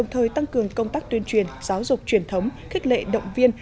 thời tăng cường công tác tuyên truyền giáo dục truyền thống khích lệ động viên